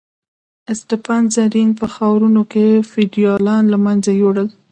اسټپان رزین په ښارونو کې فیوډالان له منځه یوړل.